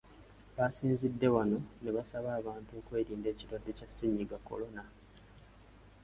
Baasinzidde wano ne basaba abantu okwerinda ekirwadde kya Ssennyiga kolona.